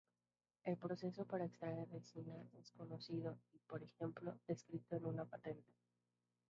El proceso para extraer ricina es conocido y, por ejemplo, descrito en una patente.